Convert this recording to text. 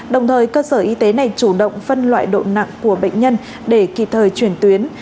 đồng thời cơ sở y tế này chủ động phân loại độ nặng của bệnh nhân để kịp thời chuyển tuyến